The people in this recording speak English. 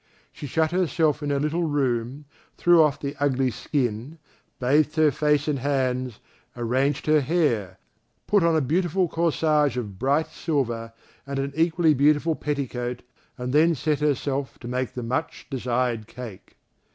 She shut herself in her little room, threw off the ugly skin, bathed her face and hands, arranged her hair, put on a beautiful corsage of bright silver, and an equally beautiful petticoat, and then set herself to make the much desired cake.